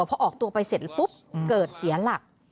พอออกตัวไปเสร็จปุ๊บเกิดเสียหลัก